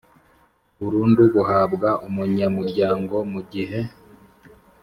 burundu buhabwa umunyamuryango mu gihe